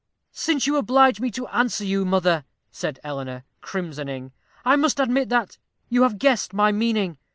"Since you oblige me to answer you, mother," said Eleanor, crimsoning, "I must admit that you have guessed my meaning.